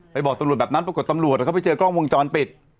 บอกตำรวจแบบนั้นปรากฏตำรวจเขาไปเจอกล้องวงจรปิด